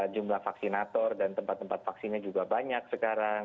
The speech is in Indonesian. jumlah vaksinator dan tempat tempat vaksinnya juga banyak sekarang